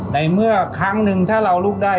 ในเมื่อครั้งหนึ่งถ้าเราลุกได้